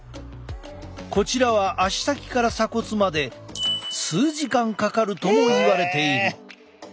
こちらは足先から鎖骨まで数時間かかるともいわれている。